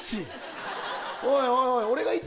おいおい